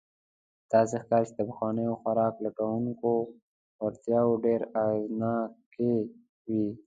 داسې ښکاري، چې د پخوانیو خوراک لټونکو وړتیاوې ډېر اغېزناکې وې.